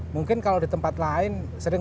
mungkin kalau di tempat lain sering